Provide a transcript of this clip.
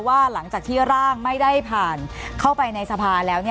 หลังจากที่ร่างไม่ได้ผ่านเข้าไปในสภาแล้ว